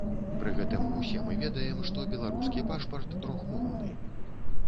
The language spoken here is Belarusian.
Пры гэтым, усе мы ведаем, што беларускі пашпарт трохмоўны.